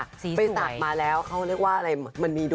ไปศักดิ์มาแล้วเขาเรียกว่าอะไรมันมี